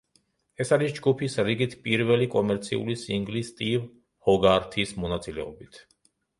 ეს არის ჯგუფის რიგით პირველი კომერციული სინგლი სტივ ჰოგართის მონაწილეობით.